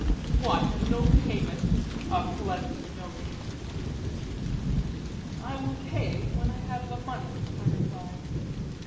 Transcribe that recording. What, and no payment! a pleasant notion! I will pay when I have the money, I replied.